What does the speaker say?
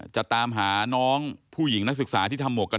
จะตามหาน้องผู้หญิงนักศึกษาที่ทำหวกกัน